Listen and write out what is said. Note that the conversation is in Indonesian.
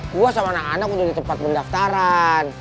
gue sama anak anak udah di tempat pendaftaran